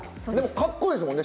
かっこええですもんね